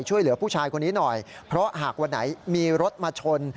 ช่วยเหลือผู้ชายคนนี้หน่อยเพราะหากวันไหนมีรถมาชน